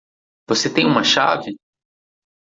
Você tem uma chave?